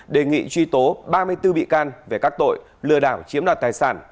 đề nghị truy tố ba mươi bốn bị can về các tội lừa đảo chiếm đoạt tài sản